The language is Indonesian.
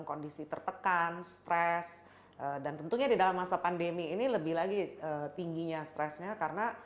kondisi tertekan stres dan tentunya di dalam masa pandemi ini lebih lagi tingginya stresnya karena